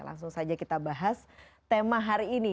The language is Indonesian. langsung saja kita bahas tema hari ini